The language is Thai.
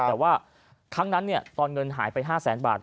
แต่ว่าครั้งนั้นตอนเงินหายไป๕แสนบาท